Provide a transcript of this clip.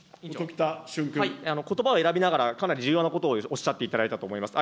ことばを選びながら、かなり重要なことをおっしゃっていただいたと思います。